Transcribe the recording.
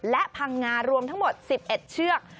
และพังงารวมทั้งหมด๑๑เชือก